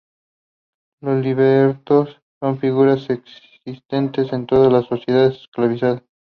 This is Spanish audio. Los libertos son figuras existentes en todas las sociedades esclavistas.